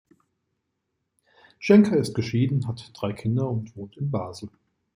Schenker ist geschieden, hat drei Kinder und wohnt in Basel.